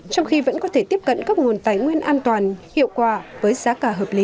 trong khi vẫn có thể tiếp cận các nguồn tài nguyên an toàn hiệu quả với giá cả hợp lý